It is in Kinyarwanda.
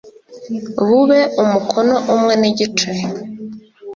Bube umukono umwe n igice